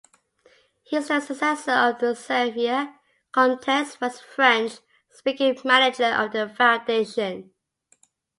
He is the successor to Xavier Comtesse, first French-speaking manager of the foundation.